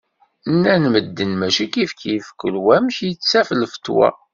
Nnan medden mačči kifkif, kul wa amek yettak lfetwa.